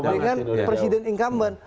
dengan presiden inkamben